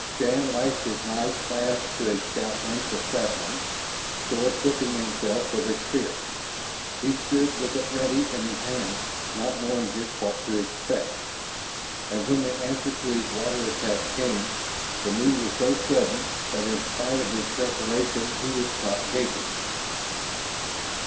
Shann lashed his knife fast to a stout length of sapling, so equipping himself with a spear. He stood with it ready in his hand, not knowing just what to expect. And when the answer to his water attack came, the move was so sudden that in spite of his preparation he was caught gaping.